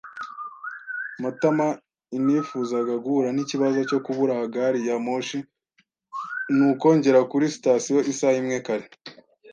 Matamainifuzaga guhura n'ikibazo cyo kubura gari ya moshi, nuko ngera kuri sitasiyo isaha imwe kare.